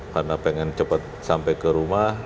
karena pengen cepat sampai ke rumah